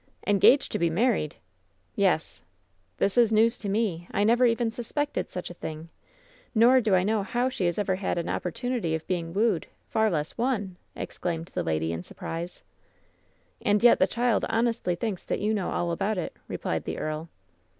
"Engaged to be married 1" "Yes.'' "This is news to me I I never even suspected such a thing. Nor do I know how she has ever had an oppor tunity of being woed, far less won !" exclaimed the lady, in surprise. "And yet the child honestly thinks that you know all about it," replied the earl.